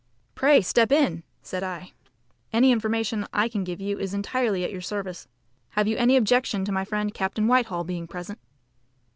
"Pray step in!" said I. Any information I can give you is entirely at your service. Have you any objection to my friend Captain Whitehall being present?